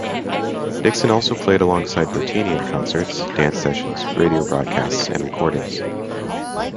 Dixon was also playing alongside Bertini in concerts, dance sessions, radio broadcasts and recordings.